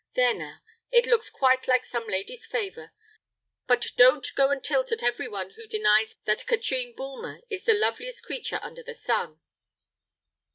There now! it looks quite like some lady's favour; but don't go and tilt at every one who denies that Katrine Bulmer is the loveliest creature under the sun."